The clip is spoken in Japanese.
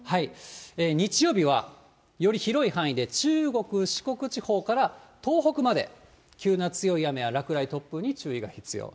日曜日はより広い範囲で中国、四国地方から東北まで、急な強い雨や落雷、突風に注意が必要。